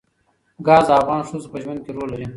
ګاز د افغان ښځو په ژوند کې رول لري.